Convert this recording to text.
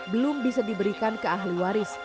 belum bisa diberikan ke ahli waris